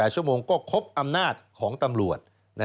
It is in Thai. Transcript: ชั่วโมงก็ครบอำนาจของตำรวจ